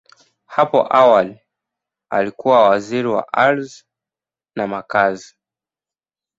Hapo awali, alikuwa Waziri wa Ardhi na Makazi.